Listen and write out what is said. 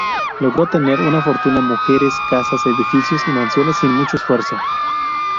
Logró tener fortuna, mujeres, casas, edificios y mansiones sin mucho esfuerzo.